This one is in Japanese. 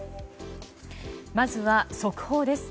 まずは、速報です。